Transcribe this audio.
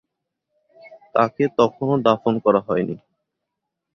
তাঁকে তখনো দাফন করা হয়নি।